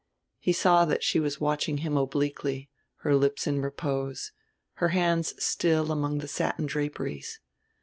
He saw that she was watching him obliquely, her lips in repose, her hands still among the satin draperies.